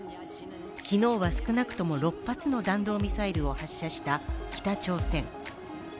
昨日は少なくとも６発の弾道ミサイルを発射した北朝鮮。